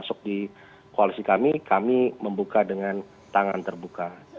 masuk di koalisi kami kami membuka dengan tangan terbuka